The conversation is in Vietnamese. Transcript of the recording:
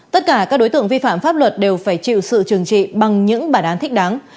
tất cả các đối tượng vi phạm pháp luật đều phải chịu sự trừng trị bằng những bản án thích đáng